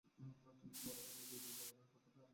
তুমি কি মনে কর ঐ হৃদয়ের দেবতা পাথরের দেবতা!